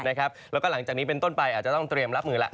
แล้วก็หลังจากนี้เป็นต้นไปอาจจะต้องเตรียมรับมือแล้ว